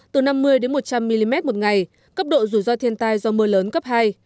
từ năm mươi một trăm linh mm một ngày cấp độ rủi ro thiên tai do mưa lớn cấp hai